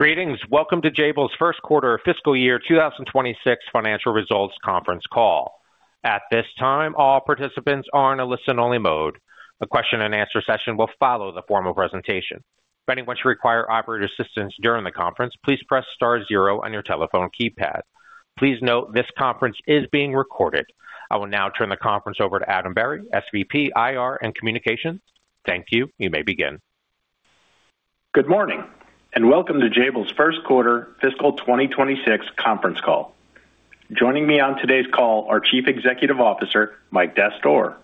Greetings. Welcome to Jabil's First Quarter of Fiscal Year 2026 financial results conference call. At this time, all participants are in a listen-only mode. A question and answer session will follow the formal presentation. If anyone should require operator assistance during the conference, please press star zero on your telephone keypad. Please note this conference is being recorded. I will now turn the conference over to Adam Berry, SVP, IR and Communications. Thank you. You may begin. Good morning and welcome to Jabil's First Quarter Fiscal 2026 conference call. Joining me on today's call are Chief Executive Officer Mike Dastoor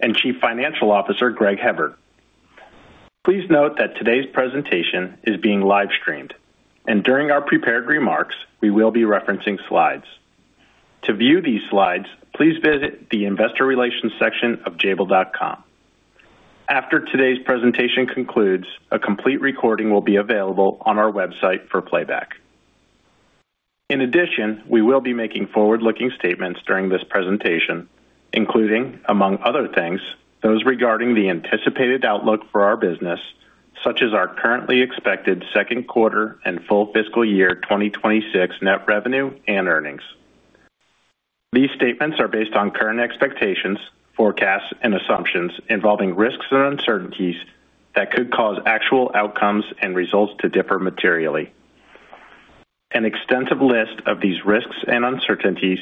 and Chief Financial Officer Greg Hebard. Please note that today's presentation is being live-streamed, and during our prepared remarks, we will be referencing slides. To view these slides, please visit the investor relations section of Jabil.com. After today's presentation concludes, a complete recording will be available on our website for playback. In addition, we will be making forward-looking statements during this presentation, including, among other things, those regarding the anticipated outlook for our business, such as our currently expected second quarter and full fiscal year 2026 net revenue and earnings. These statements are based on current expectations, forecasts, and assumptions involving risks and uncertainties that could cause actual outcomes and results to differ materially. An extensive list of these risks and uncertainties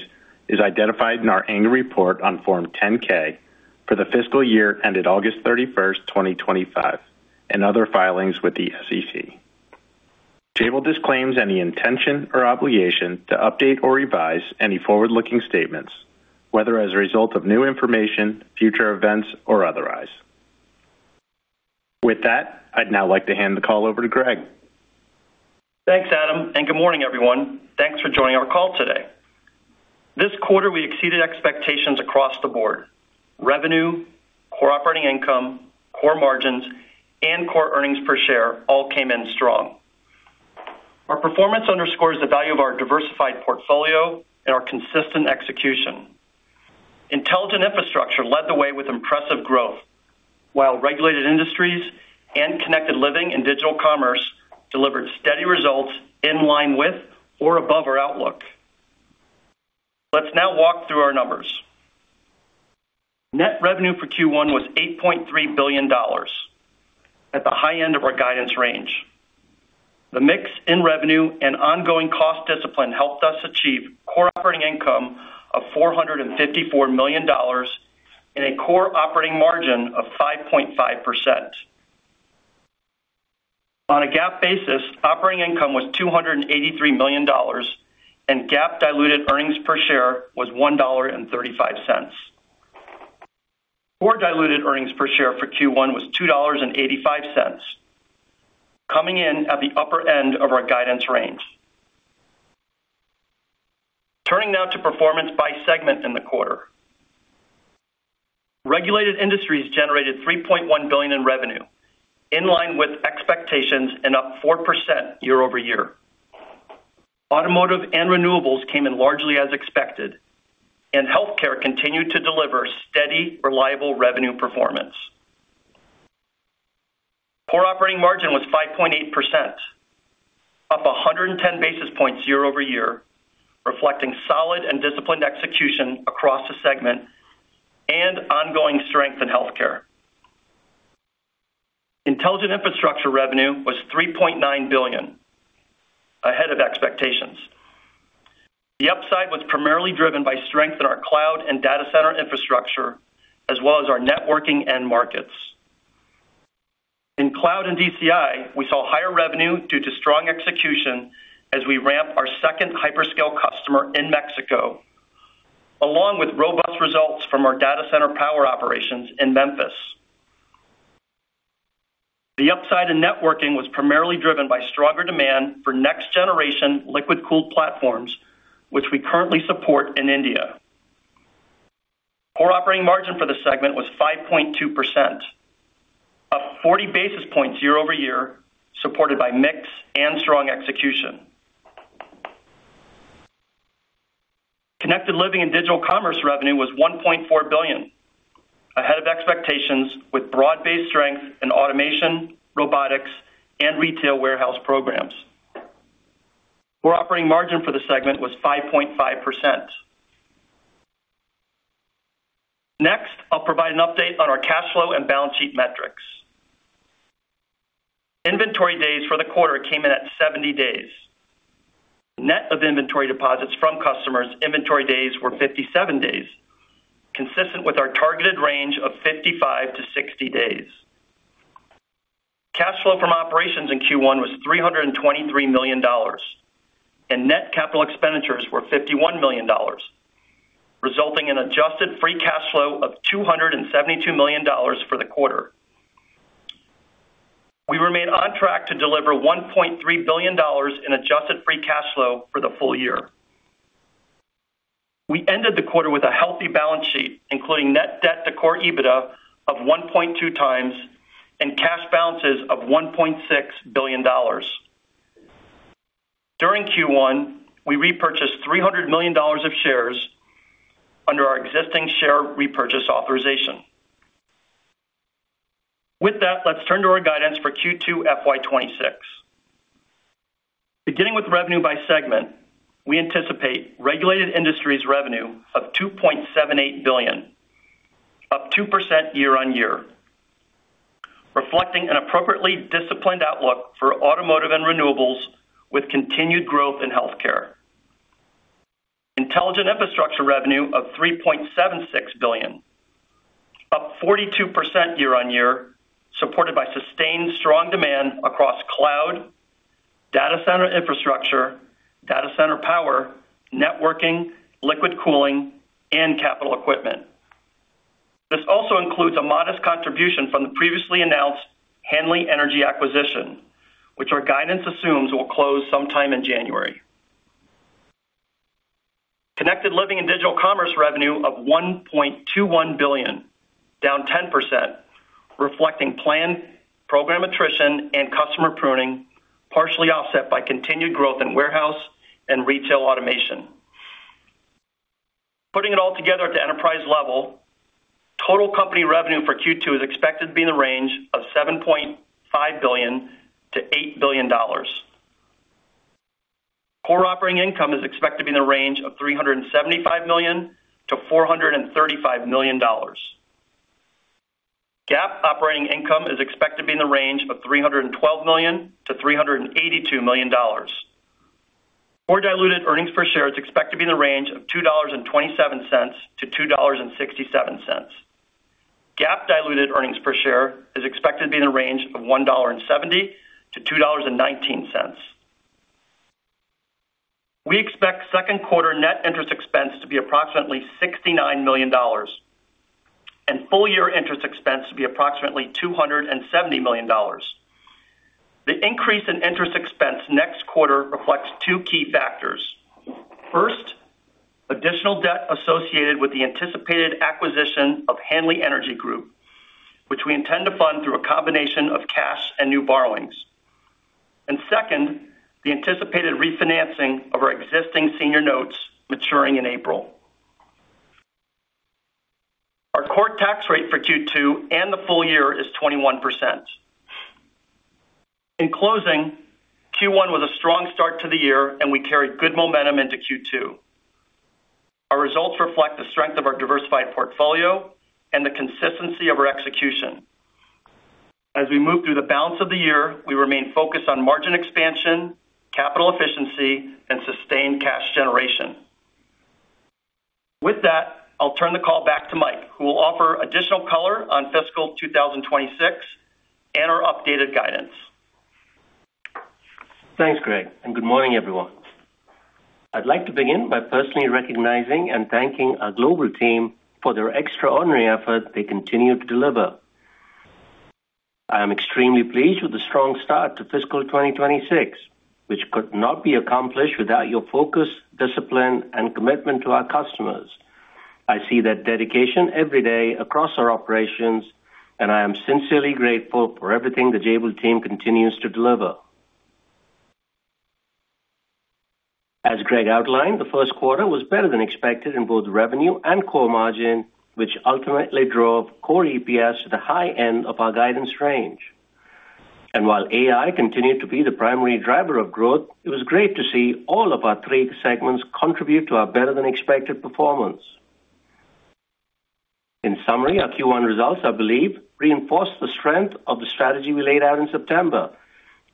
is identified in our annual report on Form 10-K for the fiscal year ended August 31st, 2025, and other filings with the SEC. Jabil disclaims any intention or obligation to update or revise any forward-looking statements, whether as a result of new information, future events, or otherwise. With that, I'd now like to hand the call over to Greg. Thanks, Adam, and good morning, everyone. Thanks for joining our call today. This quarter, we exceeded expectations across the board. Revenue, core operating income, core margins, and core earnings per share all came in strong. Our performance underscores the value of our diversified portfolio and our consistent execution. Intelligent Infrastructure led the way with impressive growth, while Regulated Industries and Connected Living and Digital Commerce delivered steady results in line with or above our outlook. Let's now walk through our numbers. Net revenue for Q1 was $8.3 billion, at the high end of our guidance range. The mix in revenue and ongoing cost discipline helped us achieve core operating income of $454 million and a core operating margin of 5.5%. On a GAAP basis, operating income was $283 million, and GAAP diluted earnings per share was $1.35. Core diluted earnings per share for Q1 was $2.85, coming in at the upper end of our guidance range. Turning now to performance by segment in the quarter, Regulated Industries generated $3.1 billion in revenue, in line with expectations and up 4% year-over-year. Automotive and Renewables came in largely as expected, and healthcare continued to deliver steady, reliable revenue performance. Core operating margin was 5.8%, up 110 basis points year-over-year, reflecting solid and disciplined execution across the segment and ongoing strength in healthcare. Intelligent Infrastructure revenue was $3.9 billion, ahead of expectations. The upside was primarily driven by strength in our Cloud and Data Center Infrastructure, as well as our Networking End Markets. In Cloud and DCI, we saw higher revenue due to strong execution as we ramp our second hyperscale customer in Mexico, along with robust results from our data center power operations in Memphis. The upside in networking was primarily driven by stronger demand for next-generation liquid-cooled platforms, which we currently support in India. Core operating margin for the segment was 5.2%, up 40 basis points year-over-year, supported by mix and strong execution. Connected Living and Digital Commerce revenue was $1.4 billion, ahead of expectations with broad-based strength in automation, robotics, and retail warehouse programs. Core operating margin for the segment was 5.5%. Next, I'll provide an update on our cash flow and balance sheet metrics. Inventory days for the quarter came in at 70 days. Net of inventory deposits from customers, inventory days were 57 days, consistent with our targeted range of 55 to 60 days. Cash flow from operations in Q1 was $323 million, and net capital expenditures were $51 million, resulting in adjusted free cash flow of $272 million for the quarter. We remained on track to deliver $1.3 billion in adjusted free cash flow for the full year. We ended the quarter with a healthy balance sheet, including net debt to core EBITDA of 1.2 times and cash balances of $1.6 billion. During Q1, we repurchased $300 million of shares under our existing share repurchase authorization. With that, let's turn to our guidance for Q2 FY26. Beginning with revenue by segment, we anticipate Regulated Industries' revenue of $2.78 billion, up 2% year-on-year, reflecting an appropriately disciplined outlook for Automotive and Renewables with continued growth in healthcare. Intelligent Infrastructure revenue of $3.76 billion, up 42% year-on-year, supported by sustained strong demand across cloud, data center infrastructure, data center power, networking, liquid cooling, and Capital Equipment. This also includes a modest contribution from the previously announced Hanley Energy acquisition, which our guidance assumes will close sometime in January. Connected Living and Digital Commerce revenue of $1.21 billion, down 10%, reflecting planned program attrition and customer pruning, partially offset by continued growth in warehouse and retail automation. Putting it all together at the enterprise level, total company revenue for Q2 is expected to be in the range of $7.5 billion to $8 billion. Core operating income is expected to be in the range of $375 million to $435 million. GAAP operating income is expected to be in the range of $312 million to $382 million. Core diluted earnings per share is expected to be in the range of $2.27 to $2.67. GAAP diluted earnings per share is expected to be in the range of $1.70 to $2.19. We expect second quarter net interest expense to be approximately $69 million, and full year interest expense to be approximately $270 million. The increase in interest expense next quarter reflects two key factors. First, additional debt associated with the anticipated acquisition of Hanley Energy Group, which we intend to fund through a combination of cash and new borrowings, and second, the anticipated refinancing of our existing senior notes maturing in April. Our core tax rate for Q2 and the full year is 21%. In closing, Q1 was a strong start to the year, and we carried good momentum into Q2. Our results reflect the strength of our diversified portfolio and the consistency of our execution. As we move through the balance of the year, we remain focused on margin expansion, capital efficiency, and sustained cash generation. With that, I'll turn the call back to Mike, who will offer additional color on fiscal 2026 and our updated guidance. Thanks, Greg, and good morning, everyone. I'd like to begin by personally recognizing and thanking our global team for their extraordinary effort they continue to deliver. I am extremely pleased with the strong start to fiscal 2026, which could not be accomplished without your focus, discipline, and commitment to our customers. I see that dedication every day across our operations, and I am sincerely grateful for everything the Jabil team continues to deliver. As Greg outlined, the first quarter was better than expected in both revenue and core margin, which ultimately drove core EPS to the high end of our guidance range, and while AI continued to be the primary driver of growth, it was great to see all of our three segments contribute to our better than expected performance. In summary, our Q1 results, I believe, reinforced the strength of the strategy we laid out in September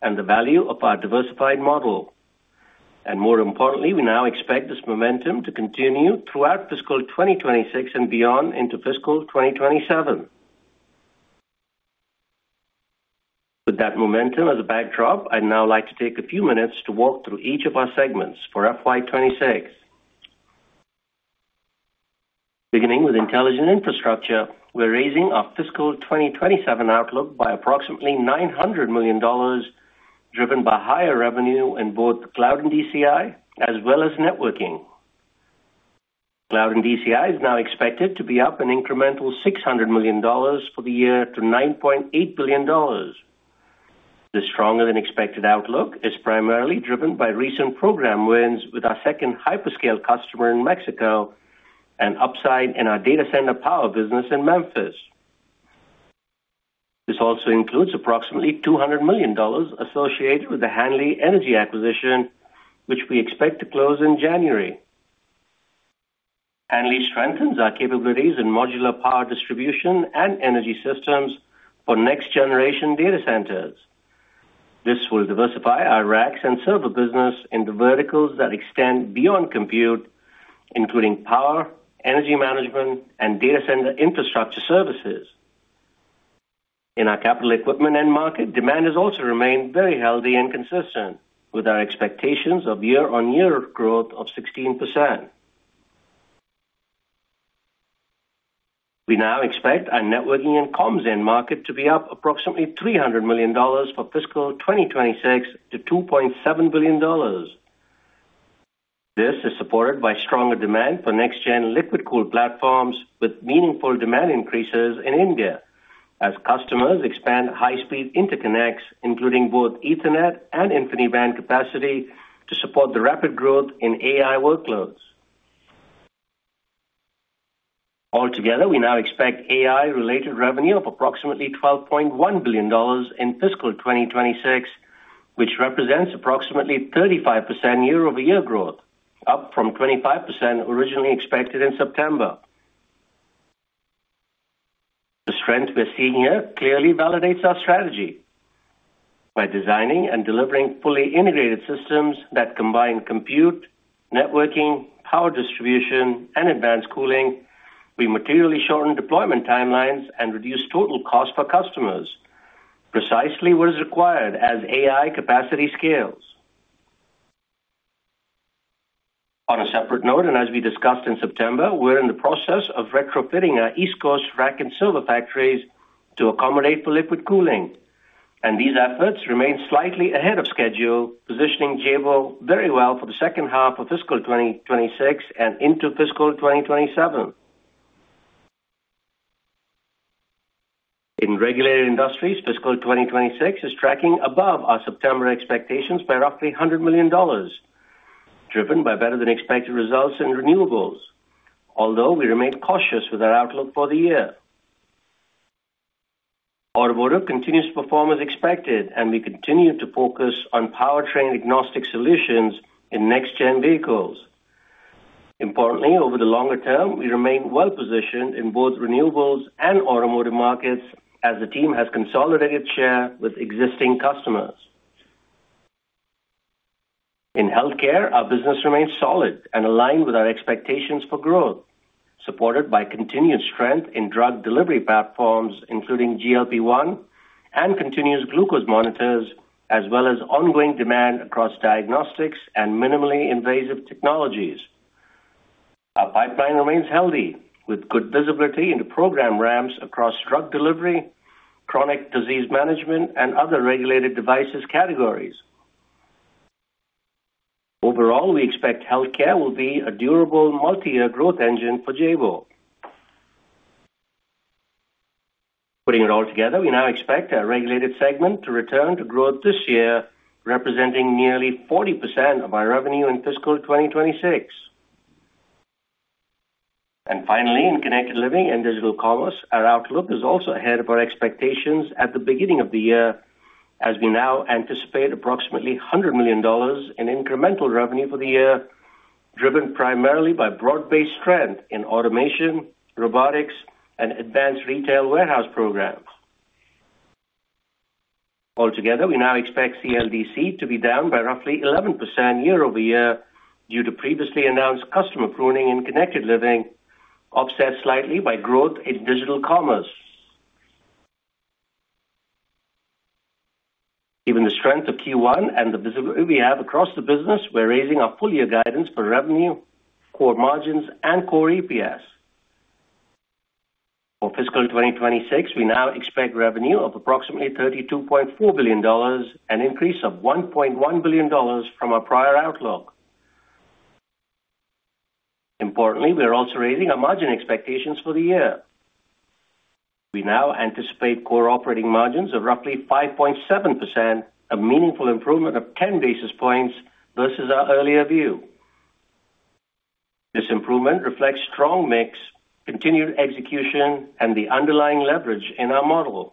and the value of our diversified model, and more importantly, we now expect this momentum to continue throughout fiscal 2026 and beyond into fiscal 2027. With that momentum as a backdrop, I'd now like to take a few minutes to walk through each of our segments for FY26. Beginning with Intelligent Infrastructure, we're raising our fiscal 2027 outlook by approximately $900 million, driven by higher revenue in both Cloud and DCI, as well as networking. Cloud and DCI is now expected to be up an incremental $600 million for the year to $9.8 billion. This stronger-than-expected outlook is primarily driven by recent program wins with our second hyperscale customer in Mexico and upside in our data center power business in Memphis. This also includes approximately $200 million associated with the Hanley Energy acquisition, which we expect to close in January. Hanley strengthens our capabilities in modular power distribution and energy systems for next generation data centers. This will diversify our racks and server business in the verticals that extend beyond compute, including power, energy management, and data center infrastructure services. In our Capital Equipment end market, demand has also remained very healthy and consistent, with our expectations of year-on-year growth of 16%. We now expect our networking and Comms end market to be up approximately $300 million for fiscal 2026 to $2.7 billion. This is supported by stronger demand for next-gen liquid cooled platforms, with meaningful demand increases in India, as customers expand high speed interconnects, including both Ethernet and InfiniBand capacity, to support the rapid growth in AI workloads. Altogether, we now expect AI-related revenue of approximately $12.1 billion in fiscal 2026, which represents approximately 35% year-over-year growth, up from 25% originally expected in September. The strength we're seeing here clearly validates our strategy. By designing and delivering fully integrated systems that combine compute, networking, power distribution, and advanced cooling, we materially shorten deployment timelines and reduce total costs for customers, precisely what is required as AI capacity scales. On a separate note, and as we discussed in September, we're in the process of retrofitting our East Coast rack and server factories to accommodate for liquid cooling, and these efforts remain slightly ahead of schedule, positioning Jabil very well for the second half of fiscal 2026 and into fiscal 2027. In Regulated Industries, fiscal 2026 is tracking above our September expectations by roughly $100 million, driven by better than expected results in Renewables, although we remain cautious with our outlook for the year. Automotive continues to perform as expected, and we continue to focus on powertrain-agnostic solutions in next-gen vehicles. Importantly, over the longer term, we remain well-positioned in both Renewables and Automotive markets, as the team has consolidated share with existing customers. In healthcare, our business remains solid and aligned with our expectations for growth, supported by continued strength in drug delivery platforms, including GLP-1 and continuous glucose monitors, as well as ongoing demand across diagnostics and minimally invasive technologies. Our pipeline remains healthy, with good visibility into program ramps across drug delivery, chronic disease management, and other regulated devices categories. Overall, we expect healthcare will be a durable multi-year growth engine for Jabil. Putting it all together, we now expect our regulated segment to return to growth this year, representing nearly 40% of our revenue in fiscal 2026. Finally, in Connected Living and Digital Commerce, our outlook is also ahead of our expectations at the beginning of the year, as we now anticipate approximately $100 million in incremental revenue for the year, driven primarily by broad-based strength in automation, robotics, and advanced retail warehouse programs. Altogether, we now expect CLDC to be down by roughly 11% year-over-year due to previously announced customer pruning in Connected Living, offset slightly by growth in Digital Commerce. Given the strength of Q1 and the visibility we have across the business, we're raising our full-year guidance for revenue, core margins, and core EPS. For fiscal 2026, we now expect revenue of approximately $32.4 billion, an increase of $1.1 billion from our prior outlook. Importantly, we're also raising our margin expectations for the year. We now anticipate core operating margins of roughly 5.7%, a meaningful improvement of 10 basis points versus our earlier view. This improvement reflects strong mix, continued execution, and the underlying leverage in our model.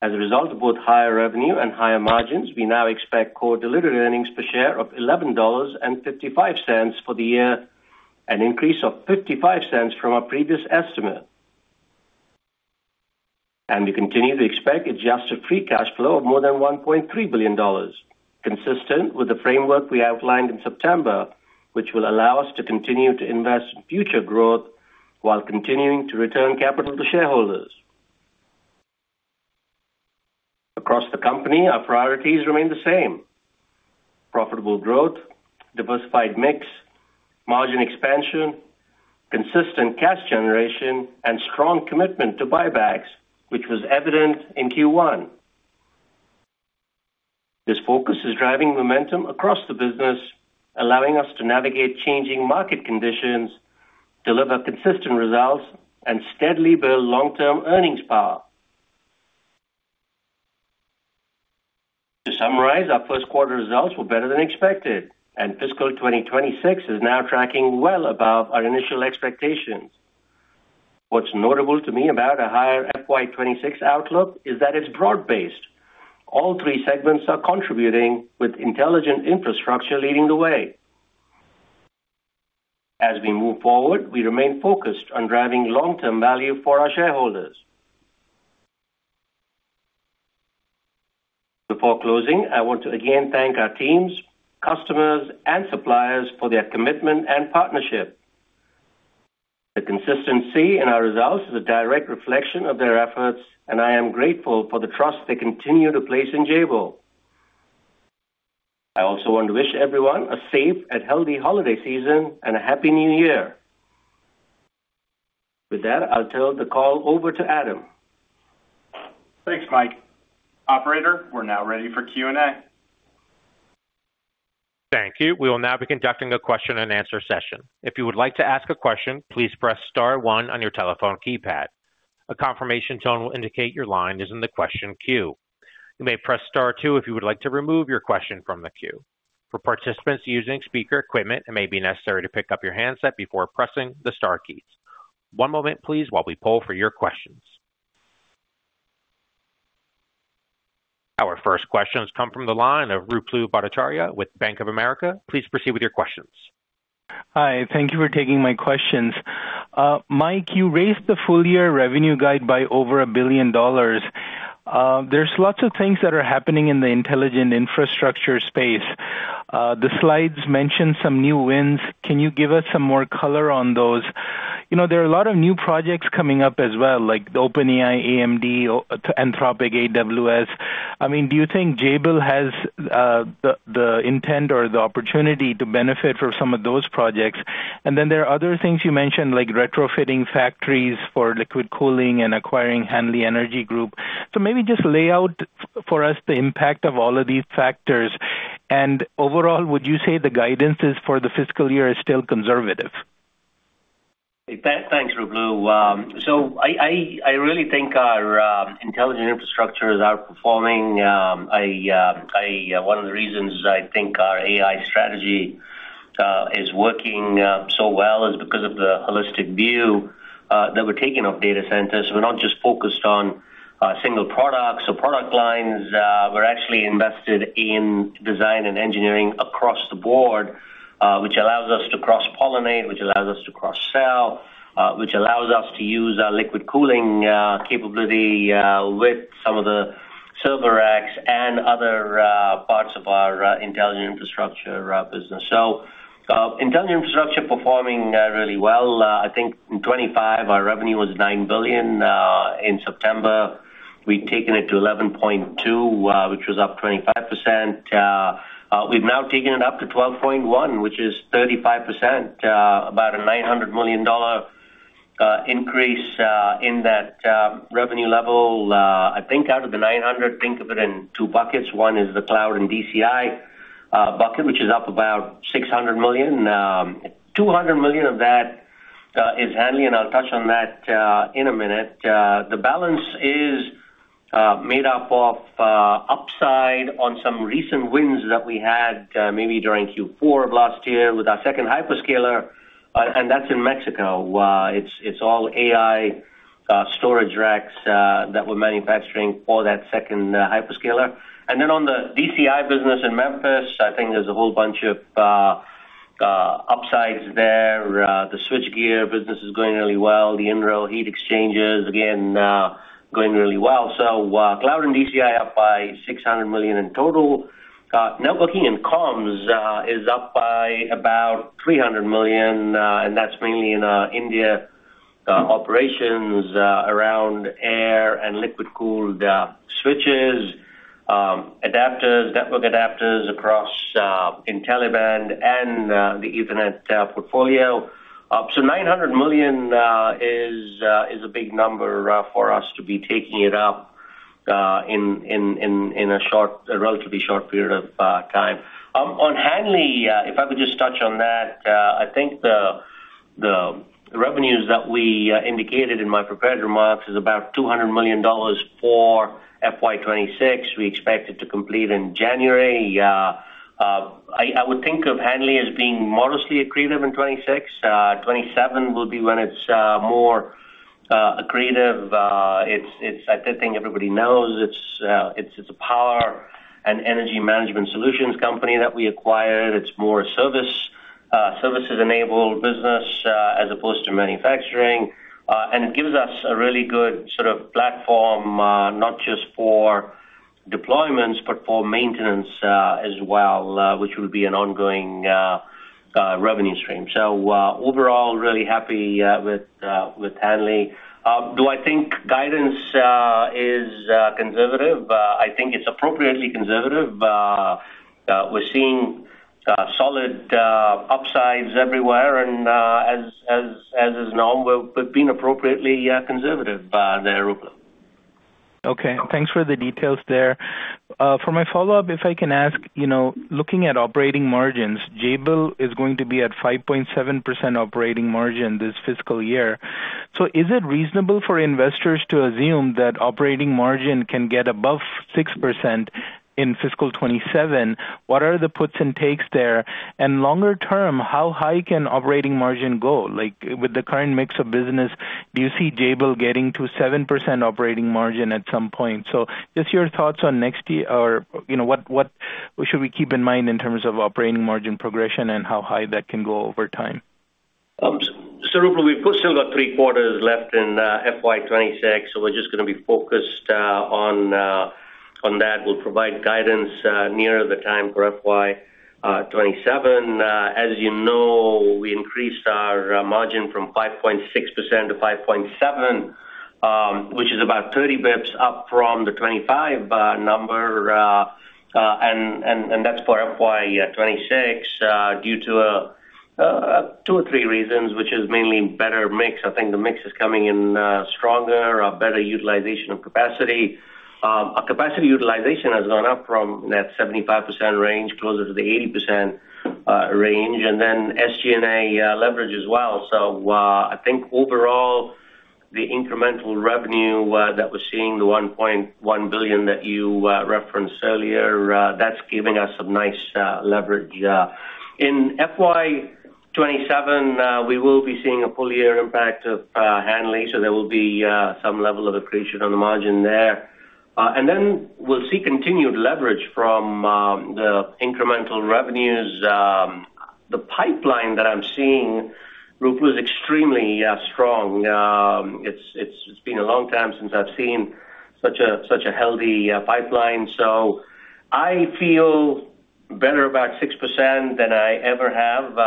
As a result of both higher revenue and higher margins, we now expect core delivered earnings per share of $11.55 for the year, an increase of $0.55 from our previous estimate, and we continue to expect adjusted free cash flow of more than $1.3 billion, consistent with the framework we outlined in September, which will allow us to continue to invest in future growth while continuing to return capital to shareholders. Across the company, our priorities remain the same: profitable growth, diversified mix, margin expansion, consistent cash generation, and strong commitment to buybacks, which was evident in Q1. This focus is driving momentum across the business, allowing us to navigate changing market conditions, deliver consistent results, and steadily build long-term earnings power. To summarize, our first quarter results were better than expected, and fiscal 2026 is now tracking well above our initial expectations. What's notable to me about our higher FY26 outlook is that it's broad-based. All three segments are contributing, Intelligent Infrastructure leading the way. As we move forward, we remain focused on driving long-term value for our shareholders. Before closing, I want to again thank our teams, customers, and suppliers for their commitment and partnership. The consistency in our results is a direct reflection of their efforts, and I am grateful for the trust they continue to place in Jabil. I also want to wish everyone a safe and healthy holiday season and a Happy New Year. With that, I'll turn the call over to Adam. Thanks, Mike. Operator, we're now ready for Q&A. Thank you. We will now be conducting a question and answer session. If you would like to ask a question, please press star one on your telephone keypad. A confirmation tone will indicate your line is in the question queue. You may press star two if you would like to remove your question from the queue. For participants using speaker equipment, it may be necessary to pick up your handset before pressing the star keys. One moment, please, while we pull for your questions. Our first questions come from the line of Ruplu Bhattacharya with Bank of America. Please proceed with your questions. Hi. Thank you for taking my questions. Mike, you raised the full-year revenue guide by over $1 billion. There's lots of things that are happening in Intelligent Infrastructure space. The slides mentioned some new wins. Can you give us some more color on those? There are a lot of new projects coming up as well, like OpenAI, AMD, Anthropic, AWS. I mean, do you think Jabil has the intent or the opportunity to benefit from some of those projects? And then there are other things you mentioned, like retrofitting factories for liquid cooling and acquiring Hanley Energy Group. So maybe just lay out for us the impact of all of these factors. And overall, would you say the guidance is for the fiscal year is still conservative? Thanks, Ruplu. So I really think our Intelligent Infrastructure is outperforming. One of the reasons I think our AI strategy is working so well is because of the holistic view that we're taking of data centers. We're not just focused on single products or product lines. We're actually invested in design and engineering across the board, which allows us to cross-pollinate, which allows us to cross-sell, which allows us to use our liquid cooling capability with some of the server racks and other parts of our Intelligent Infrastructure business. So Intelligent Infrastructure is performing really well. I think in 2025, our revenue was $9 billion. In September, we'd taken it to $11.2, which was up 25%. We've now taken it up to $12.1, which is 35%, about a $900 million increase in that revenue level. I think out of the 900, think of it in two buckets. One is the Cloud and DCI bucket, which is up about $600 million. $200 million of that is Hanley, and I'll touch on that in a minute. The balance is made up of upside on some recent wins that we had maybe during Q4 of last year with our second hyperscaler, and that's in Mexico. It's all AI storage racks that we're manufacturing for that second hyperscaler. And then on the DCI business in Memphis, I think there's a whole bunch of upsides there. The switchgear business is going really well. The in-row heat exchangers, again, going really well. So Cloud and DCI are up by $600 million in total. Networking and Comms is up by about $300 million, and that's mainly in our India operations around air and liquid-cooled switches, adapters, network adapters across InfiniBand and the Ethernet portfolio. $900 million is a big number for us to be taking it up in a relatively short period of time. On Hanley, if I could just touch on that, I think the revenues that we indicated in my prepared remarks is about $200 million for FY26. We expect it to complete in January. I would think of Hanley as being modestly accretive in 2026. 2027 will be when it's more accretive. I think everybody knows it's a power and energy management solutions company that we acquired. It's more a services enabled business as opposed to manufacturing, and it gives us a really good sort of platform, not just for deployments, but for maintenance as well, which would be an ongoing revenue stream. Overall, really happy with Hanley. Do I think guidance is conservative? I think it's appropriately conservative. We're seeing solid upsides everywhere. As is known, we've been appropriately conservative there, Ruplu. Okay. Thanks for the details there. For my follow-up, if I can ask, looking at operating margins, Jabil is going to be at 5.7% operating margin this fiscal year. So is it reasonable for investors to assume that operating margin can get above 6% in fiscal 2027? What are the puts and takes there? And longer term, how high can operating margin go? With the current mix of business, do you see Jabil getting to 7% operating margin at some point? So just your thoughts on next year, or what should we keep in mind in terms of operating margin progression and how high that can go over time? So Ruplu, we've still got three quarters left in FY26, so we're just going to be focused on that. We'll provide guidance nearer the time for FY27. As you know, we increased our margin from 5.6% to 5.7%, which is about 30 basis points up from the 25 number. And that's for FY26 due to two or three reasons, which is mainly better mix. I think the mix is coming in stronger, a better utilization of capacity. Our capacity utilization has gone up from that 75% range, closer to the 80% range. And then SG&A leverage as well. So I think overall, the incremental revenue that we're seeing, the $1.1 billion that you referenced earlier, that's giving us some nice leverage. In FY27, we will be seeing a full-year impact of Hanley, so there will be some level of accretion on the margin there. And then we'll see continued leverage from the incremental revenues. The pipeline that I'm seeing, Ruplu, is extremely strong. It's been a long time since I've seen such a healthy pipeline. So I feel better about 6% than I ever have.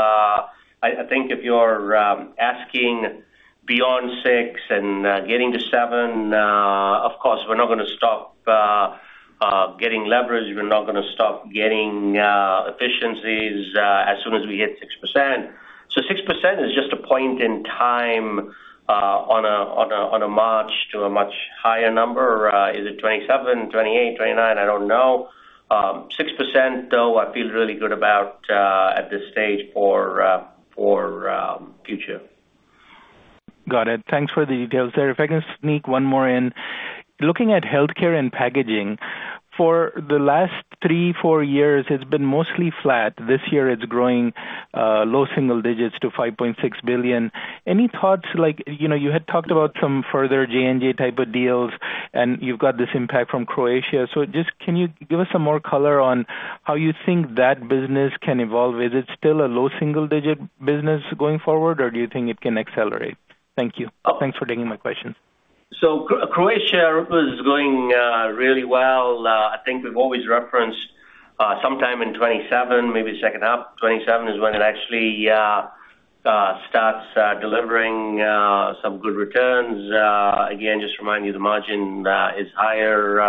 I think if you're asking beyond six and getting to seven, of course, we're not going to stop getting leverage. We're not going to stop getting efficiencies as soon as we hit 6%. So 6% is just a point in time on a march to a much higher number. Is it 27, 28, 29? I don't know. 6%, though, I feel really good about at this stage for future. Got it. Thanks for the details there. If I can sneak one more in. Looking at healthcare and packaging, for the last three, four years, it's been mostly flat. This year, it's growing low single digits to $5.6 billion. Any thoughts? You had talked about some further J&J type of deals, and you've got this impact from Croatia. So just can you give us some more color on how you think that business can evolve? Is it still a low single-digit business going forward, or do you think it can accelerate? Thank you. Thanks for taking my questions. So Croatia, Ruplu, is going really well. I think we've always referenced sometime in 2027, maybe second half of 2027 is when it actually starts delivering some good returns. Again, just remind you, the margin is higher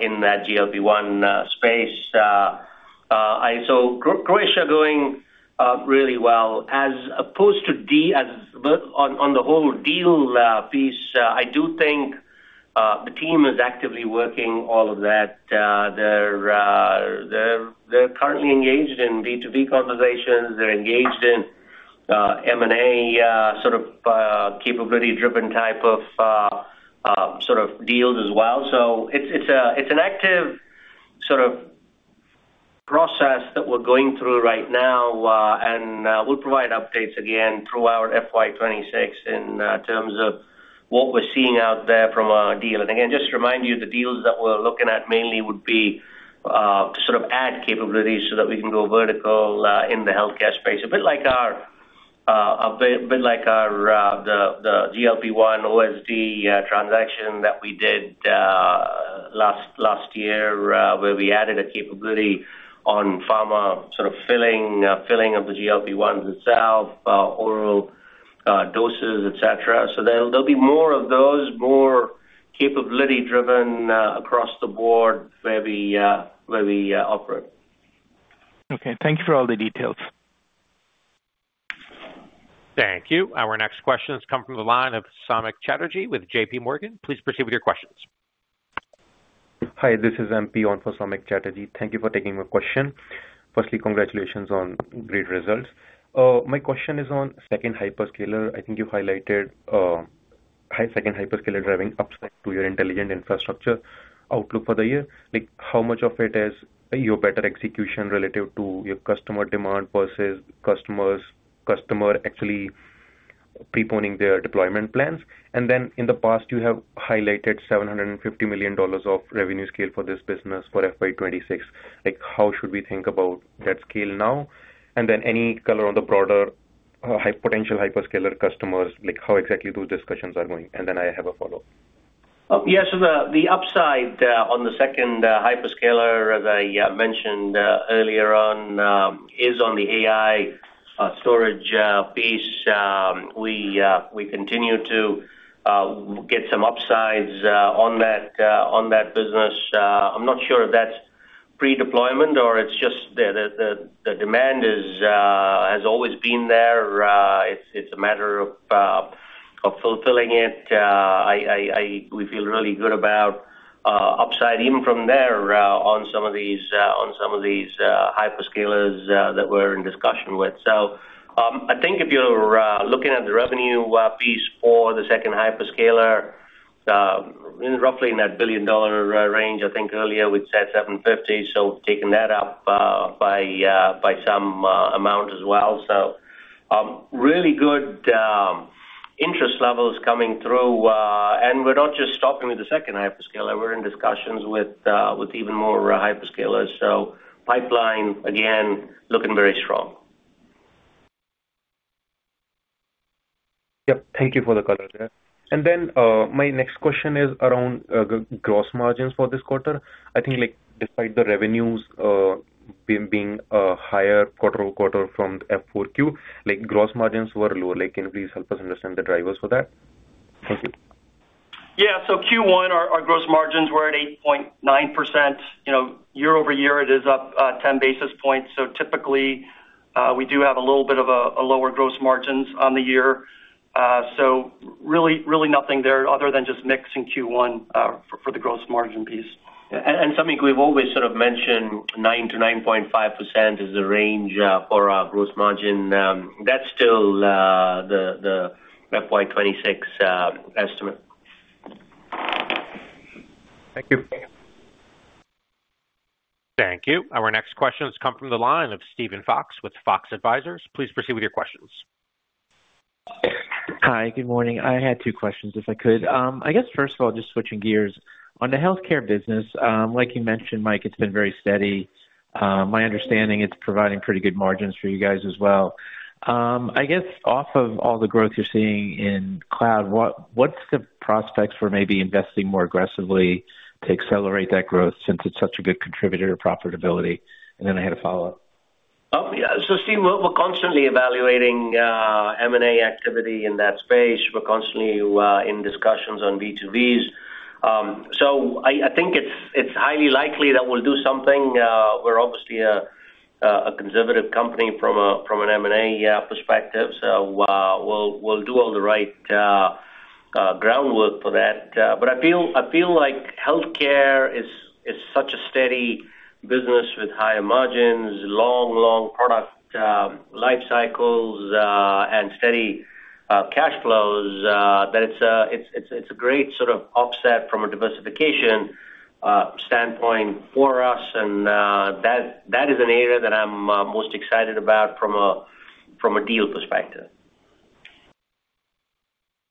in that GLP-1 space. So Croatia is going really well. As opposed to on the whole deal piece, I do think the team is actively working all of that. They're currently engaged in B2B conversations. They're engaged in M&A sort of capability driven type of sort of deals as well. So it's an active sort of process that we're going through right now. And we'll provide updates again throughout FY26 in terms of what we're seeing out there from our deal. And again, just to remind you, the deals that we're looking at mainly would be to sort of add capabilities so that we can go vertical in the healthcare space. A bit like our GLP-1 OSD transaction that we did last year where we added a capability on pharma sort of filling of the GLP-1 itself, oral doses, etc. So there'll be more of those, more capability-driven across the board where we operate. Okay. Thank you for all the details. Thank you. Our next questions come from the line of Samik Chatterjee with J.P. Morgan. Please proceed with your questions. Hi. This is MP on for Samik Chatterjee. Thank you for taking my question. First, congratulations on great results. My question is on second hyperscaler. I think you highlighted second hyperscaler driving upside to Intelligent Infrastructure outlook for the year. How much of it is your better execution relative to your customer demand versus customers' customer actually preponing their deployment plans? In the past, you have highlighted $750 million of revenue scale for this business for FY26. How should we think about that scale now? Any color on the broader potential hyperscaler customers, how exactly those discussions are going? I have a follow-up. Yeah. So the upside on the second hyperscaler that I mentioned earlier on is on the AI storage piece. We continue to get some upsides on that business. I'm not sure if that's pre-deployment or it's just the demand has always been there. It's a matter of fulfilling it. We feel really good about upside even from there on some of these hyperscalers that we're in discussion with. So I think if you're looking at the revenue piece for the second hyperscaler, roughly in that billion-dollar range, I think earlier we'd said $750. So we've taken that up by some amount as well. So really good interest levels coming through. And we're not just stopping with the second hyperscaler. We're in discussions with even more hyperscalers. So pipeline, again, looking very strong. Yep. Thank you for the color there. And then my next question is around gross margins for this quarter. I think despite the revenues being higher quarter-over-quarter from F4Q, gross margins were low. Can you please help us understand the drivers for that? Thank you. Yeah. So Q1, our gross margins were at 8.9%. Year-over-year, it is up 10 basis points. So typically, we do have a little bit of a lower gross margins on the year. So really nothing there other than just mixing Q1 for the gross margin piece. Something we've always sort of mentioned, 9% to 9.5% is the range for our gross margin. That's still the FY26 estimate. Thank you. Thank you. Our next questions come from the line of Steven Fox with Fox Advisors. Please proceed with your questions. Hi. Good morning. I had two questions, if I could. I guess, first of all, just switching gears. On the healthcare business, like you mentioned, Mike, it's been very steady. My understanding is providing pretty good margins for you guys as well. I guess, off of all the growth you're seeing in Cloud, what's the prospects for maybe investing more aggressively to accelerate that growth since it's such a good contributor to profitability? And then I had a follow-up. So Steve, we're constantly evaluating M&A activity in that space. We're constantly in discussions on B2Bs. So I think it's highly likely that we'll do something. We're obviously a conservative company from an M&A perspective. So we'll do all the right groundwork for that. But I feel like healthcare is such a steady business with higher margins, long, long product life cycles, and steady cash flows that it's a great sort of offset from a diversification standpoint for us. And that is an area that I'm most excited about from a deal perspective.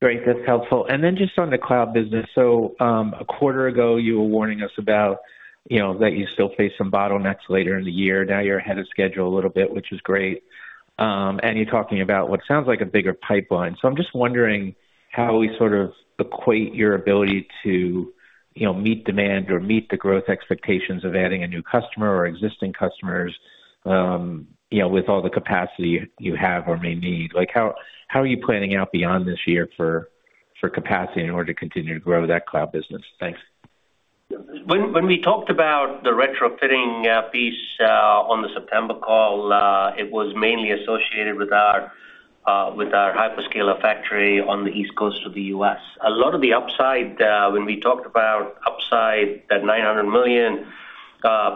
Great. That's helpful. And then just on the Cloud business, so a quarter ago, you were warning us about that you still face some bottlenecks later in the year. Now you're ahead of schedule a little bit, which is great. And you're talking about what sounds like a bigger pipeline. So I'm just wondering how we sort of equate your ability to meet demand or meet the growth expectations of adding a new customer or existing customers with all the capacity you have or may need. How are you planning out beyond this year for capacity in order to continue to grow that Cloud business? Thanks. When we talked about the retrofitting piece on the September call, it was mainly associated with our hyperscaler factory on the East Coast of the U.S. A lot of the upside, when we talked about upside that $900 million,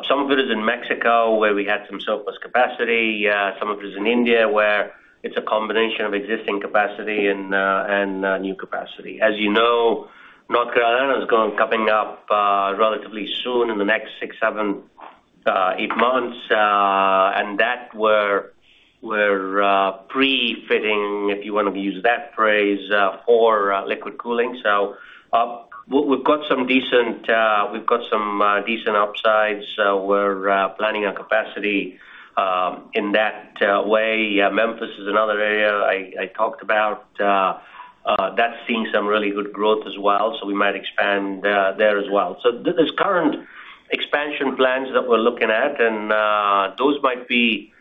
some of it is in Mexico where we had some surplus capacity. Some of it is in India where it's a combination of existing capacity and new capacity. As you know, North Carolina is coming up relatively soon in the next six, seven, eight months, and that we're pre-fitting, if you want to use that phrase, for liquid cooling. So we've got some decent upsides. We're planning on capacity in that way. Memphis is another area I talked about. That's seeing some really good growth as well. So we might expand there as well. So there's current expansion plans that we're looking at, and those might be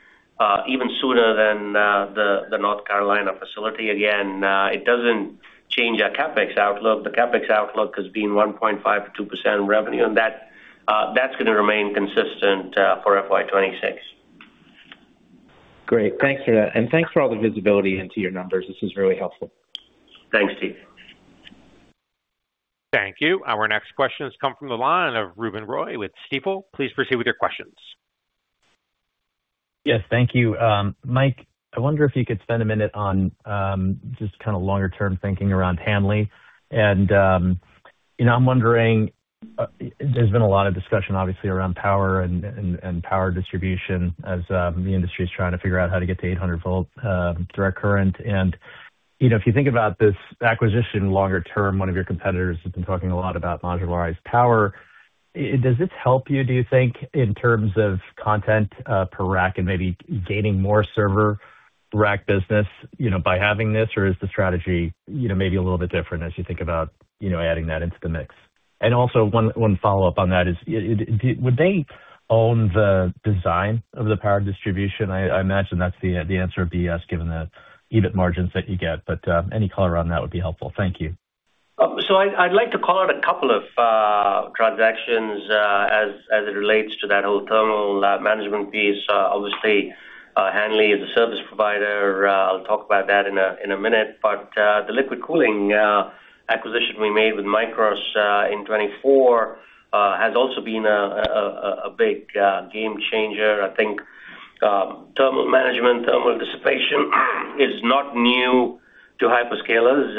even sooner than the North Carolina facility. Again, it doesn't change our CapEx outlook. The CapEx outlook has been 1.5% to 2% revenue, and that's going to remain consistent for FY26. Great. Thanks for that. And thanks for all the visibility into your numbers. This is really helpful. Thanks, Steve. Thank you. Our next questions come from the line of Ruben Roy with Stifel. Please proceed with your questions. Yes. Thank you. Mike, I wonder if you could spend a minute on just kind of longer-term thinking around Hanley. And I'm wondering, there's been a lot of discussion, obviously, around power and power distribution as the industry is trying to figure out how to get to 800-volt direct current. And if you think about this acquisition longer term, one of your competitors has been talking a lot about modularized power. Does this help you, do you think, in terms of content per rack and maybe gaining more server rack business by having this, or is the strategy maybe a little bit different as you think about adding that into the mix? And also, one follow-up on that is, would they own the design of the power distribution? I imagine that's the answer would be yes, given the EBITDA margins that you get. But any color on that would be helpful. Thank you. I'd like to call out a couple of transactions as it relates to that whole thermal management piece. Obviously, Hanley is a service provider. I'll talk about that in a minute. But the liquid cooling acquisition we made with Mikros in 2024 has also been a big game changer. I think thermal management, thermal dissipation is not new to hyperscalers.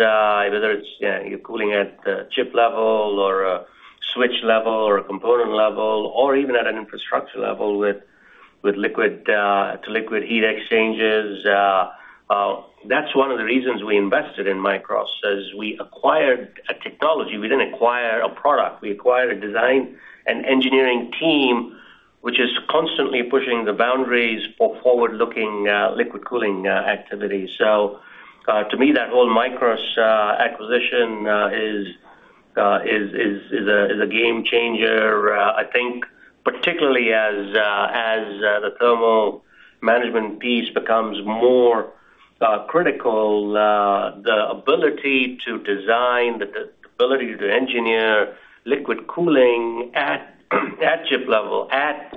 Whether it's cooling at the chip level or switch level or component level or even at an infrastructure level with liquid-to-liquid heat exchangers, that's one of the reasons we invested in Mikros is we acquired a technology. We didn't acquire a product. We acquired a design and engineering team, which is constantly pushing the boundaries for forward-looking liquid cooling activity. To me, that whole Mikros acquisition is a game changer. I think particularly as the thermal management piece becomes more critical, the ability to design, the ability to engineer liquid cooling at chip level, at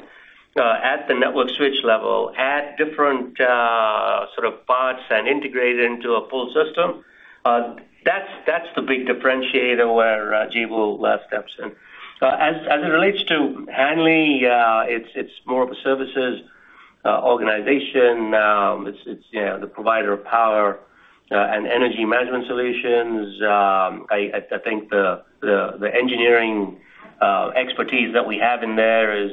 the network switch level, at different sort of parts and integrated into a full system, that's the big differentiator where Jabil steps in. As it relates to Hanley, it's more of a services organization. It's the provider of power and energy management solutions. I think the engineering expertise that we have in there is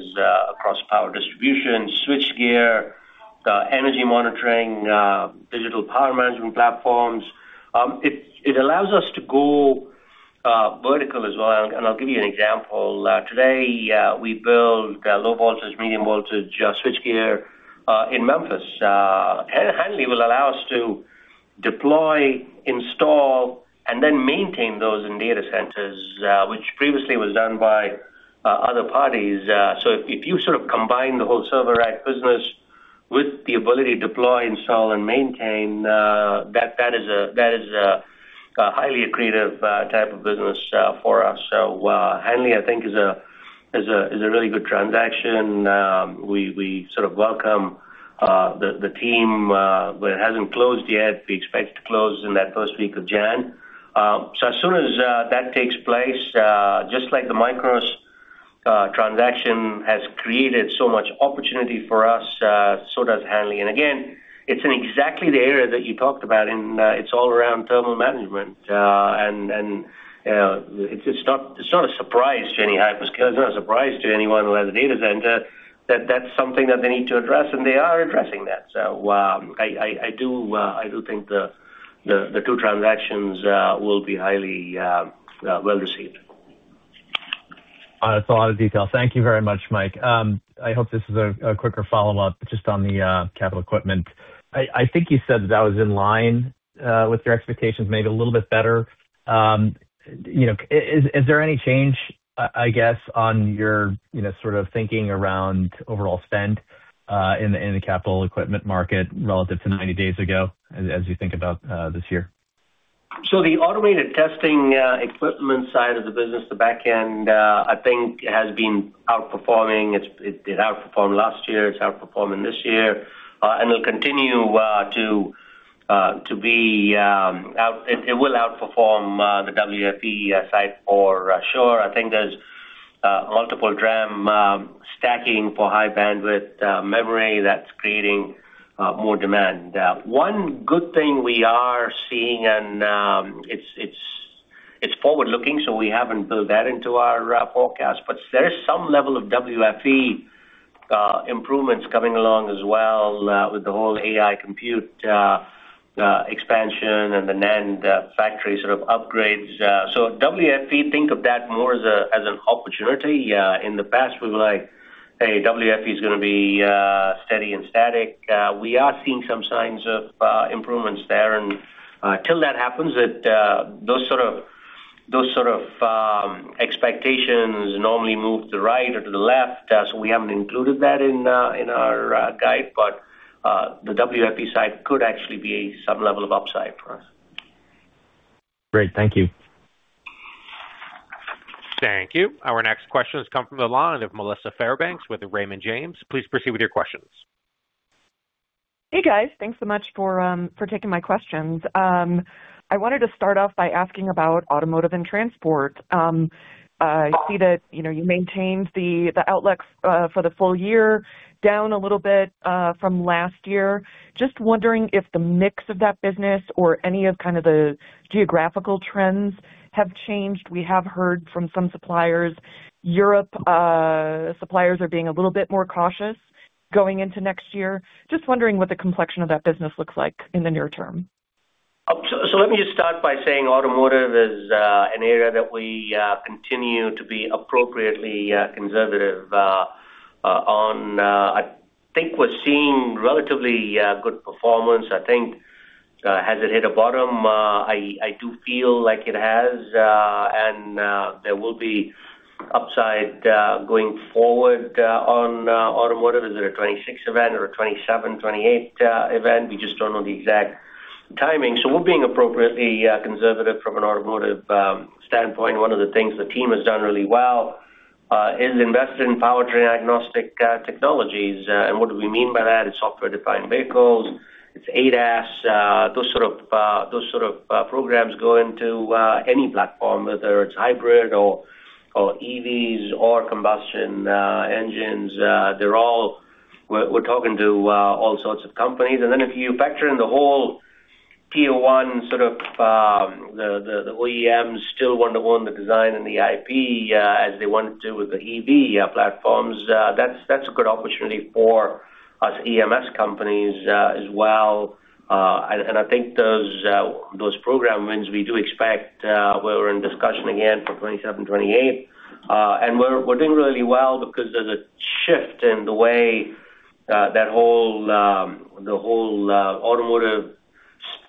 across power distribution, switchgear, energy monitoring, digital power management platforms. It allows us to go vertical as well. And I'll give you an example. Today, we build low voltage, medium voltage switchgear in Memphis. Hanley will allow us to deploy, install, and then maintain those in data centers, which previously was done by other parties. So if you sort of combine the whole server rack business with the ability to deploy, install, and maintain, that is a highly accretive type of business for us. Hanley, I think, is a really good transaction. We sort of welcome the team. It hasn't closed yet. We expect it to close in that first week of January. As soon as that takes place, just like the Mikros transaction has created so much opportunity for us, so does Hanley. Again, it's exactly the area that you talked about, and it's all around thermal management. It's not a surprise to any hyperscaler. It's not a surprise to anyone who has a data center that that's something that they need to address, and they are addressing that. I do think the two transactions will be highly well received. That's a lot of detail. Thank you very much, Mike. I hope this is a quicker follow-up just on the Capital Equipment. I think you said that that was in line with your expectations, maybe a little bit better. Is there any change, I guess, on your sort of thinking around overall spend in the Capital Equipment market relative to 90 days ago as you think about this year? So the automated testing equipment side of the business, the back end, I think has been outperforming. It outperformed last year. It's outperforming this year. And it'll continue to be out. It will outperform the WFE side for sure. I think there's multiple RAM stacking for high bandwidth memory that's creating more demand. One good thing we are seeing, and it's forward-looking, so we haven't built that into our forecast, but there is some level of WFE improvements coming along as well with the whole AI compute expansion and the NAND factory sort of upgrades. So WFE, think of that more as an opportunity. In the past, we were like, "Hey, WFE is going to be steady and static." We are seeing some signs of improvements there. And until that happens, those sort of expectations normally move to the right or to the left. So we haven't included that in our guide, but the WFE side could actually be some level of upside for us. Great. Thank you. Thank you. Our next questions come from the line of Melissa Fairbanks with Raymond James. Please proceed with your questions. Hey, guys. Thanks so much for taking my questions. I wanted to start off by asking about Automotive and Transport. I see that you maintained the outlook for the full year down a little bit from last year. Just wondering if the mix of that business or any kind of the geographical trends have changed. We have heard from some suppliers. European suppliers are being a little bit more cautious going into next year. Just wondering what the complexion of that business looks like in the near term. So let me just start by saying Automotive is an area that we continue to be appropriately conservative on. I think we're seeing relatively good performance. I think has it hit a bottom? I do feel like it has. And there will be upside going forward on Automotive. Is it a 2026 event or a 2027, 2028 event? We just don't know the exact timing. So we're being appropriately conservative from an Automotive standpoint. One of the things the team has done really well is invest in powertrain-agnostic technologies. And what do we mean by that? It's software defined vehicles. It's ADAS. Those sort of programs go into any platform, whether it's hybrid or EVs or combustion engines. We're talking to all sorts of companies. Then if you factor in the whole Tier 1 sort of the OEMs still want to own the design and the IP as they wanted to with the EV platforms, that's a good opportunity for us EMS companies as well. I think those program wins we do expect. We're in discussion again for 2027 to 2028. We're doing really well because there's a shift in the way that whole Automotive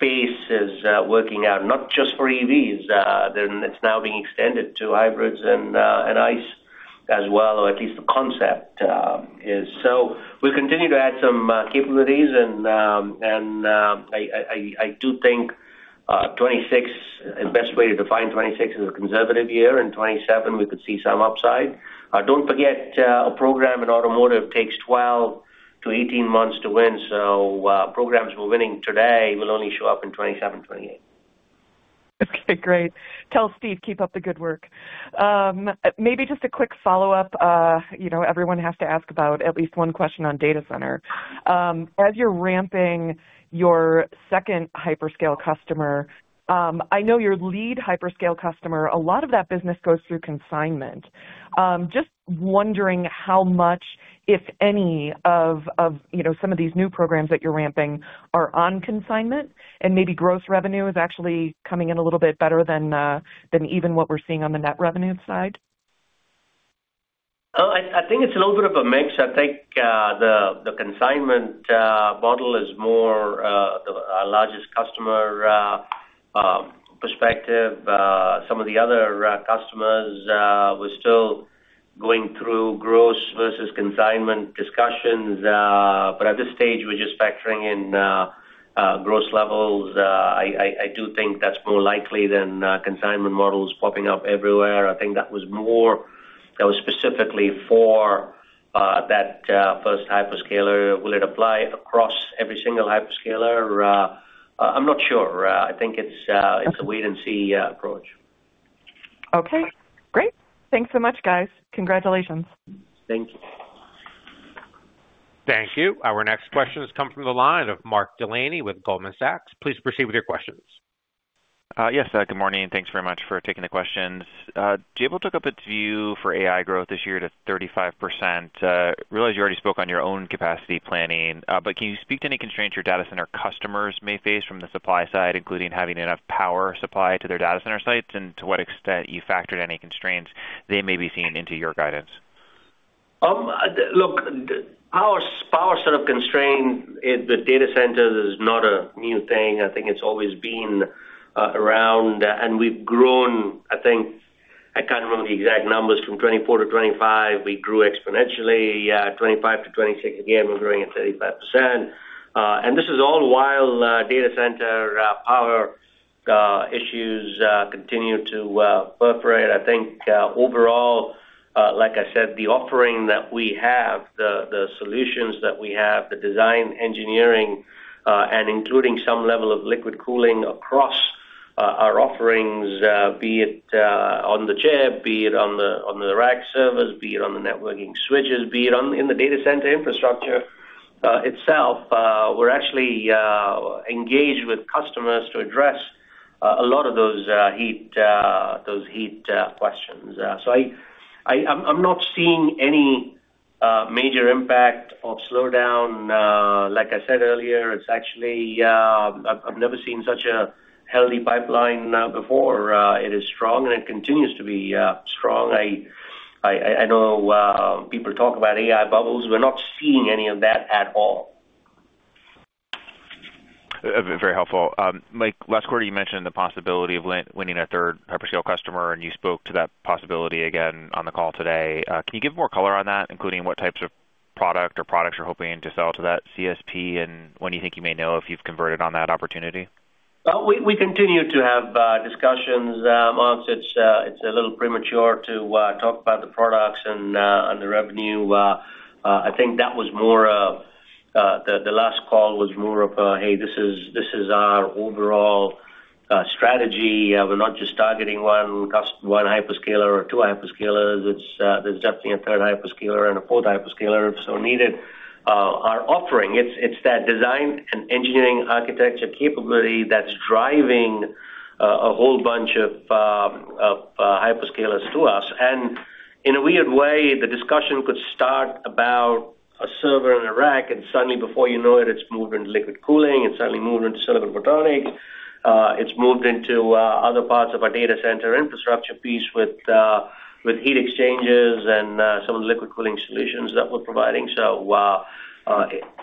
Space is working out, not just for EVs. It's now being extended to hybrids and ICE as well, or at least the concept is. We continue to add some capabilities. I do think 2026, the best way to define 2026 is a conservative year. In 2027, we could see some upside. Don't forget, a program in Automotive takes 12 to 18 months to win. Programs we're winning today will only show up in 2027, 2028. Okay. Great. Tell Steve keep up the good work. Maybe just a quick follow-up. Everyone has to ask about at least one question on data center. As you're ramping your second hyperscale customer, I know your lead hyperscale customer, a lot of that business goes through consignment. Just wondering how much, if any, of some of these new programs that you're ramping are on consignment, and maybe gross revenue is actually coming in a little bit better than even what we're seeing on the net revenue side? I think it's a little bit of a mix. I think the consignment model is more the largest customer perspective. Some of the other customers, we're still going through gross versus consignment discussions. But at this stage, we're just factoring in gross levels. I do think that's more likely than consignment models popping up everywhere. I think that was more that was specifically for that first hyperscaler. Will it apply across every single hyperscaler? I'm not sure. I think it's a wait and see approach. Okay. Great. Thanks so much, guys. Congratulations. Thank you. Thank you. Our next questions come from the line of Mark Delaney with Goldman Sachs. Please proceed with your questions. Yes. Good morning. Thanks very much for taking the questions. Jabil took up its view for AI growth this year to 35%. Realize you already spoke on your own capacity planning, but can you speak to any constraints your data center customers may face from the supply side, including having enough power supply to their data center sites? And to what extent you factored any constraints they may be seeing into your guidance? Look, power sort of constraint with data centers is not a new thing. I think it's always been around. And we've grown, I think I can't remember the exact numbers, from 2024 to 2025, we grew exponentially. 2025 to 2026, again, we're growing at 35%. And this is all while data center power issues continue to proliferate. I think overall, like I said, the offering that we have, the solutions that we have, the design engineering, and including some level of liquid cooling across our offerings, be it on the chip, be it on the rack servers, be it on the networking switches, be it in the data center infrastructure itself, we're actually engaged with customers to address a lot of those heat questions. So I'm not seeing any major impact of slowdown. Like I said earlier, it's actually, I've never seen such a healthy pipeline before. It is strong, and it continues to be strong. I know people talk about AI bubbles. We're not seeing any of that at all. Very helpful. Mike, last quarter, you mentioned the possibility of winning a third hyperscale customer, and you spoke to that possibility again on the call today. Can you give more color on that, including what types of product or products you're hoping to sell to that CSP, and when you think you may know if you've converted on that opportunity? We continue to have discussions. It's a little premature to talk about the products and the revenue. I think that was more of the last call was more of, "Hey, this is our overall strategy. We're not just targeting one hyperscaler or two hyperscalers. There's definitely a third hyperscaler and a fourth hyperscaler if so needed." Our offering, it's that design and engineering architecture capability that's driving a whole bunch of hyperscalers to us. And in a weird way, the discussion could start about a server in a rack, and suddenly, before you know it, it's moved into liquid cooling. It's suddenly moved into silicon photonics. It's moved into other parts of our data center infrastructure piece with heat exchangers and some of the liquid cooling solutions that we're providing. So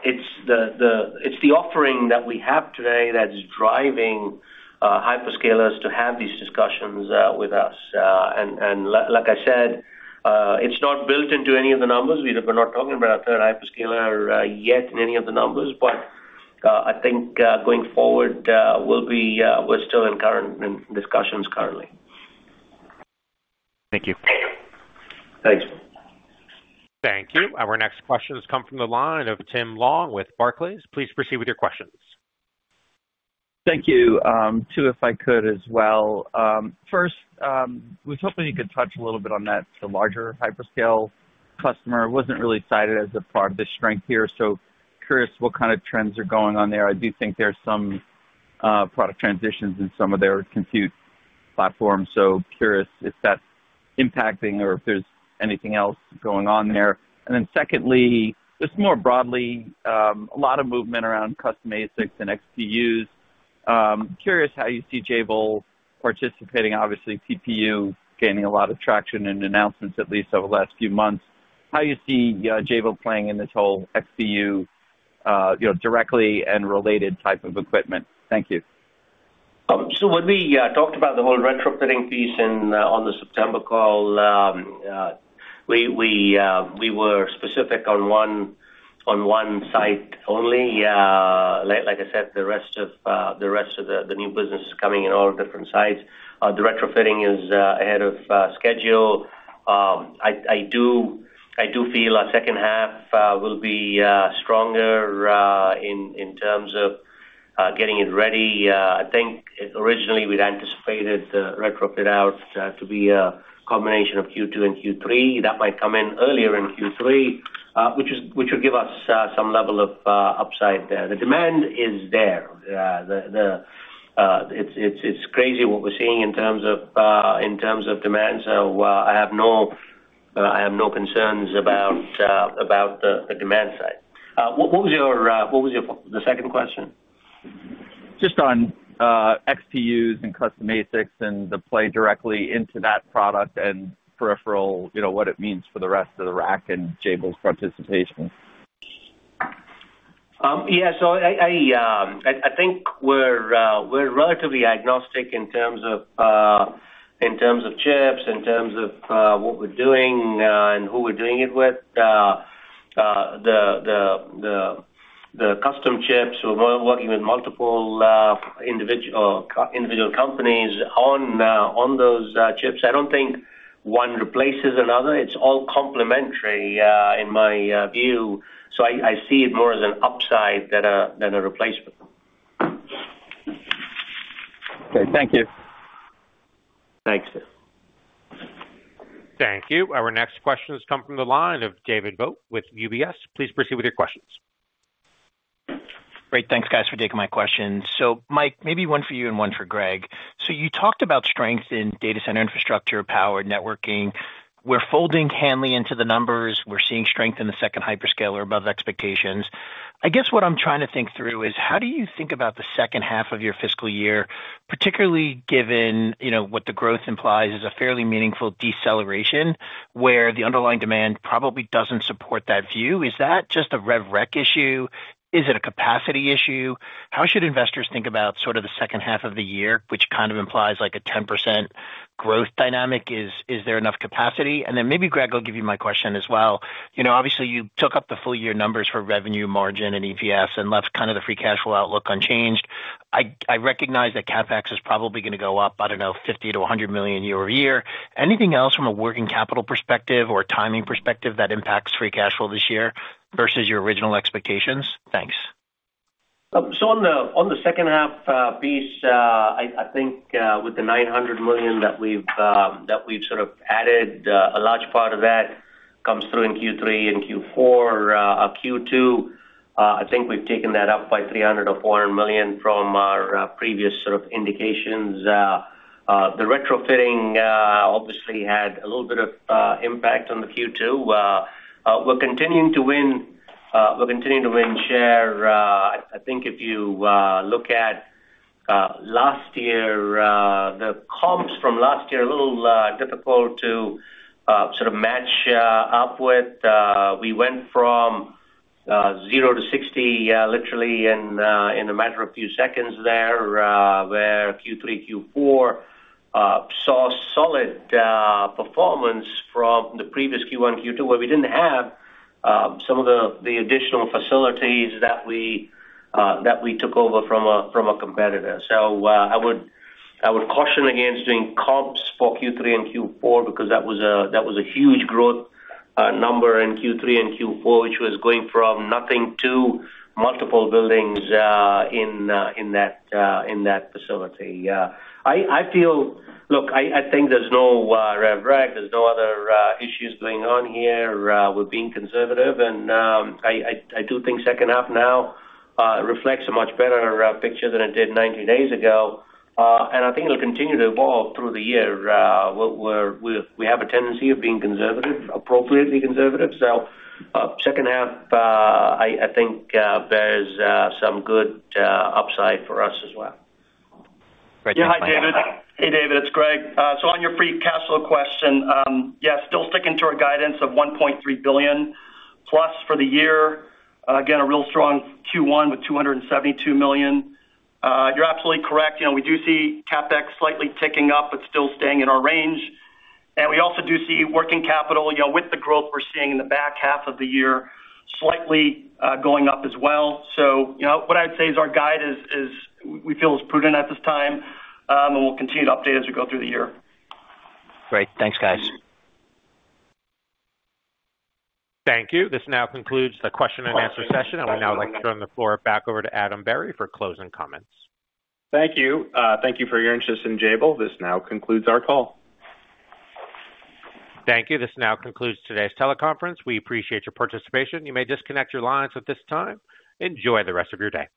it's the offering that we have today that's driving hyperscalers to have these discussions with us. And like I said, it's not built into any of the numbers. We're not talking about a third hyperscaler yet in any of the numbers, but I think going forward, we're still in current discussions. Thank you. Thanks. Thank you. Our next questions come from the line of Tim Long with Barclays. Please proceed with your questions. Thank you. Two, if I could as well. First, I was hoping you could touch a little bit on that. It's a larger hyperscale customer. It wasn't really cited as a part of the strength here. So curious what kind of trends are going on there. I do think there's some product transitions in some of their compute platforms. So curious if that's impacting or if there's anything else going on there. And then secondly, just more broadly, a lot of movement around custom ASICs and XPUs. Curious how you see Jabil participating. Obviously, TPU gaining a lot of traction in announcements, at least over the last few months. How do you see Jabil playing in this whole XPU directly and related type of equipment? Thank you. So when we talked about the whole retrofitting piece on the September call, we were specific on one site only. Like I said, the rest of the new business is coming in all different sites. The retrofitting is ahead of schedule. I do feel our second half will be stronger in terms of getting it ready. I think originally we'd anticipated the retrofit out to be a combination of Q2 and Q3. That might come in earlier in Q3, which would give us some level of upside. The demand is there. It's crazy what we're seeing in terms of demand. So I have no concerns about the demand side. What was the second question? Just on XPUs and custom ASICs and the play directly into that product and peripheral, what it means for the rest of the rack and Jabil's participation. Yeah. So I think we're relatively agnostic in terms of chips, in terms of what we're doing and who we're doing it with. The custom chips, we're working with multiple individual companies on those chips. I don't think one replaces another. It's all complementary in my view. So I see it more as an upside than a replacement. Okay. Thank you. Thanks, sir. Thank you. Our next questions come from the line of David Vogt with UBS. Please proceed with your questions. Great. Thanks, guys, for taking my questions. So Mike, maybe one for you and one for Greg. So you talked about strength in data center infrastructure, power, networking. We're folding Hanley into the numbers. We're seeing strength in the second hyperscaler above expectations. I guess what I'm trying to think through is how do you think about the second half of your fiscal year, particularly given what the growth implies is a fairly meaningful deceleration where the underlying demand probably doesn't support that view? Is that just a rev rec issue? Is it a capacity issue? How should investors think about sort of the second half of the year, which kind of implies like a 10% growth dynamic? Is there enough capacity? And then maybe, Greg, I'll give you my question as well. Obviously, you took up the full year numbers for revenue, margin, and EPS and left kind of the free cash flow outlook unchanged. I recognize that CapEx is probably going to go up, I don't know, $50 million to $100 million year-over-year. Anything else from a working capital perspective or timing perspective that impacts free cash flow this year versus your original expectations? Thanks. So on the second half piece, I think with the $900 million that we've sort of added, a large part of that comes through in Q3 and Q4. Q2, I think we've taken that up by $300 million or $400 million from our previous sort of indications. The retrofitting obviously had a little bit of impact on the Q2. We're continuing to win share. I think if you look at last year, the comps from last year are a little difficult to sort of match up with. We went from zero to 60 literally in a matter of a few seconds there where Q3, Q4 saw solid performance from the previous Q1, Q2 where we didn't have some of the additional facilities that we took over from a competitor. So I would caution against doing comps for Q3 and Q4 because that was a huge growth number in Q3 and Q4, which was going from nothing to multiple buildings in that facility. Look, I think there's no rev rec. There's no other issues going on here. We're being conservative. And I do think second half now reflects a much better picture than it did 90 days ago. And I think it'll continue to evolve through the year. We have a tendency of being conservative, appropriately conservative. So second half, I think there's some good upside for us as well. Great. Hi, David. Hey, David. It's Greg. So on your free cash flow question, yeah, still sticking to our guidance of $1.3 billion plus for the year. Again, a real strong Q1 with $272 million. You're absolutely correct. We do see CapEx slightly ticking up, but still staying in our range. And we also do see working capital with the growth we're seeing in the back half of the year slightly going up as well. So what I would say is our guide is we feel is prudent at this time, and we'll continue to update as we go through the year. Great. Thanks, guys. Thank you. This now concludes the question and answer session. And we now would like to turn the floor back over to Adam Berry for closing comments. Thank you. Thank you for your interest in Jabil. This now concludes our call. Thank you. This now concludes today's teleconference. We appreciate your participation. You may disconnect your lines at this time. Enjoy the rest of your day.